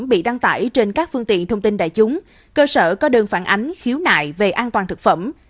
bị đăng tải trên các phương tiện thông tin đại chúng cơ sở có đơn phản ánh khiếu nại về an toàn thực phẩm